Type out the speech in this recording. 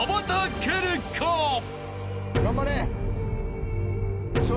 頑張れ！